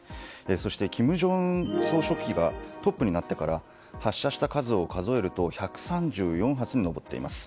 そして金正恩総書記がトップになってから発射した数を数えると１３４発に上っています。